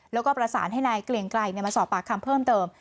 แล้วก็ประสานให้นายเกลียงไกลมาสอบปากคำเพิ่มเติม